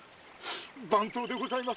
番頭でございます。